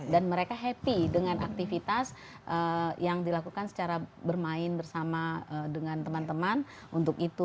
mereka happy dengan aktivitas yang dilakukan secara bermain bersama dengan teman teman untuk itu